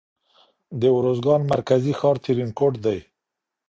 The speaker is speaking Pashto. د اروزگان مرکزي ښار ترینکوټ دی.